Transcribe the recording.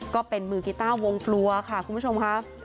ก็เป็นมือกีต้าวงฟลัวค่ะคุณผู้ชมค่ะ